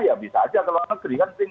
ya bisa saja ke luar negeri kan